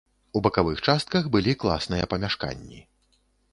У бакавых частках былі класныя памяшканні.